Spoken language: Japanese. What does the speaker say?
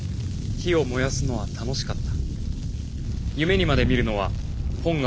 「火を燃やすのは愉しかった」。